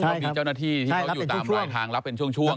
มีเจ้าหน้าที่ที่เขาอยู่ตามหลายทางรับเป็นช่วงใช่ไหมครับ